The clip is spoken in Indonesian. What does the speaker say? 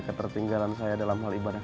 ketertinggalan saya dalam hal ibadah